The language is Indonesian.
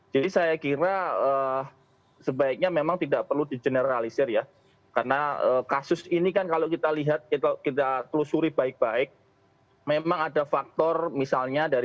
jadi saya kira sebaiknya memang tidak perlu di generalisir ya karena kasus ini kan kalau kita lihat kita telusuri baik baik memang ada faktor misalnya dari